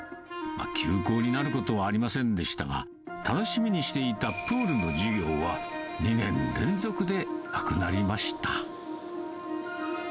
休校になることはありませんでしたが、楽しみにしていたプールの授業は、２年連続でなくなりました。